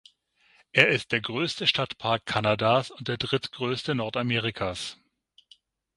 Er ist der größte Stadtpark Kanadas und der drittgrößte Nordamerikas.